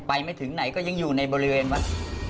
ไม่ถึงไหนก็ยังอยู่ในบริเวณวัด